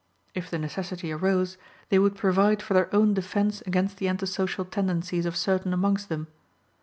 If the necessity arose, they would provide for their own defence against the anti social tendencies of certain amongst them.